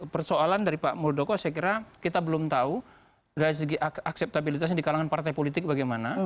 persoalan dari pak muldoko saya kira kita belum tahu dari segi akseptabilitasnya di kalangan partai politik bagaimana